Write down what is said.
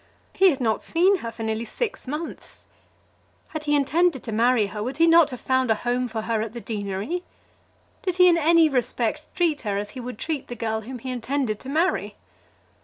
He had not seen her for nearly six months. Had he intended to marry her, would he not have found a home for her at the deanery? Did he in any respect treat her as he would treat the girl whom he intended to marry?